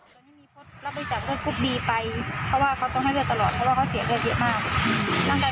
แล้วไปจับกุฎบีไปเพราะว่าเค้าต้องให้เลือดตลอดเพราะว่า